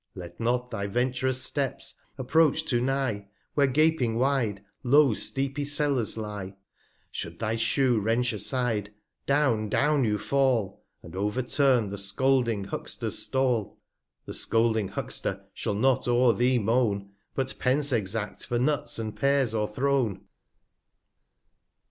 120 , Let not thy vent'rous Steps approach too nigh, Where gaping wide, low steepy Cellars lie; Should thy Shoe wrench aside, down, down you fall, And overturn the scolding Huckster's Stall, The scolding Huckster shall not o'er thee moan, 125 But Pence exadt for Nuts and Pears o'erthrown.